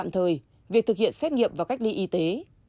tạm thời về thực hiện xét nghiệm và cách ly y tế